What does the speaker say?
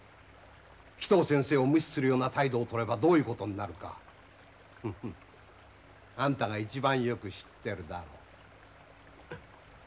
鬼頭先生を無視するような態度をとればどういう事になるかフフッあんたが一番よく知ってるだろう。